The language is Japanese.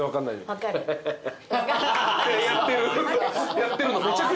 やってるの。